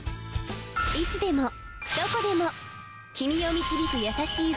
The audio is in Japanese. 「いつでもどこでも君を導く優しい本格派」